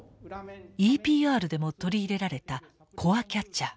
ＥＰＲでも取り入れられたコアキャッチャー。